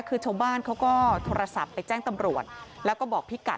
คือชาวบ้านเขาก็โทรศัพท์ไปแจ้งตำรวจแล้วก็บอกพี่กัด